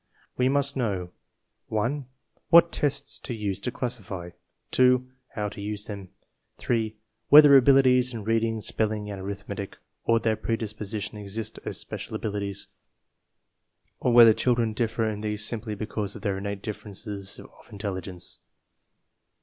We must know : (1) What tests to use to classify; (2) How to use them; (3) Whether abilities in reading, spelling, and arith metic or their predisposition exist as special abilities, or whether children differ in these simply because of their innate differences of intelligence.